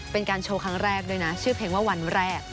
เป็นการโชว์ครั้งแรกด้วยนะชื่อเพลงว่าวันแรก